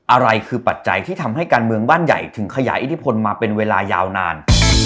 อะไรคือปัจจัยที่ทำให้การเมืองบ้านใหญ่ถึงขยายอิทธิพลมาเป็นเวลายาวนาน